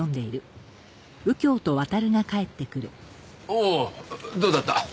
おおどうだった？